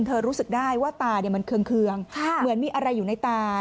รู้สึกได้ว่าตามันเคืองเหมือนมีอะไรอยู่ในตา